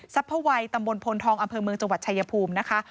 ทรัพย์ไวตำบลพลทองอำเภอเมืองจังหวัดชายภูมิ